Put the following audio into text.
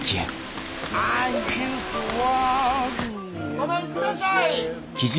・ごめんください！